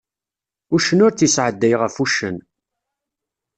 Uccen ur tt-isɛedday ɣef uccen.